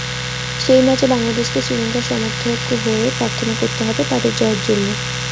সেই ম্যাচে বাংলাদেশকে শ্রীলঙ্কার সমর্থক হয়ে প্রার্থনা করতে হবে তাদের জয়ের জন্য।